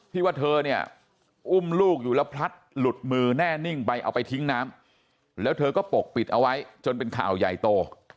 ว่าเธอเนี่ยอุ้มลูกอยู่แล้วพลัดหลุดมือแน่นิ่งไปเอาไปทิ้งน้ำแล้วเธอก็ปกปิดเอาไว้จนเป็นข่าวใหญ่โต